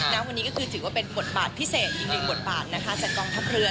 ณวันนี้ก็คือถือว่าเป็นบทบาทพิเศษอีกหนึ่งบทบาทนะคะจากกองทัพเรือ